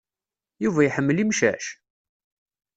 Yuba iḥemmel imcac?